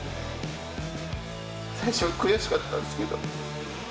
最初悔しかったんすけど。